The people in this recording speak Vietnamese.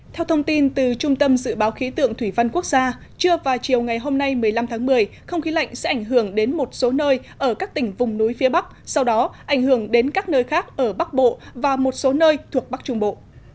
theo thông tin từ trung tâm dự báo khí tượng thủy văn quốc gia trưa và chiều ngày hôm nay một mươi năm tháng một mươi không khí lạnh sẽ ảnh hưởng đến một số nơi ở các tỉnh vùng núi phía bắc sau đó ảnh hưởng đến các nơi khác ở bắc bộ và một số nơi thuộc bắc trung bộ